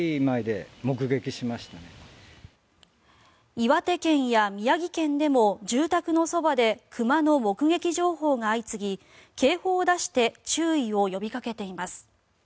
岩手県や宮城県でも住宅のそばで熊の目撃情報が相次ぎ警報を出して注意を呼びかけています。